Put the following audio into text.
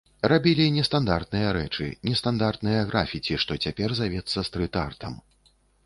Рабілі нестандартныя рэчы, нестандартныя графіці, што цяпер завецца стрыт-артам.